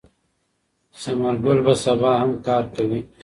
ثمر ګل به سبا هم کار کوي.